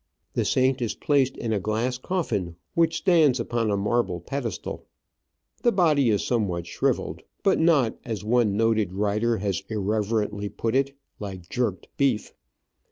The saint is placed in a glass coffin, which stands upon a marble pedestal. The body is somewhat shrivelled, but not, as one noted writer has irreverently put it, like jerked beef.